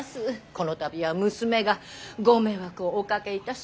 この度は娘がご迷惑をおかけいたしまして。